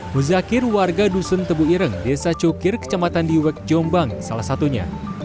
muzakir warga dusun tebu ireng desa cukir kecamatan diwek jombang salah satunya